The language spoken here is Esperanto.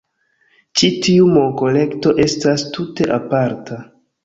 Ĉi tiu monkolekto estas tute aparta!